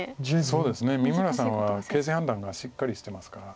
そうですね三村さんは形勢判断がしっかりしてますから。